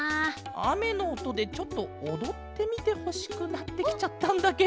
あめのおとでちょっとおどってみてほしくなってきちゃったんだケロ。